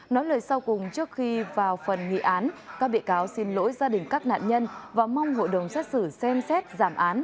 nói lời sau cùng trước khi vào phần nghị án các bị cáo xin lỗi gia đình các nạn nhân và mong hội đồng xét xử xem xét giảm án